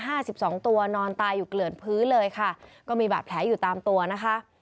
สิบสองตัวนอนตายอยู่เกลื่อนพื้นเลยค่ะก็มีบาดแผลอยู่ตามตัวนะคะ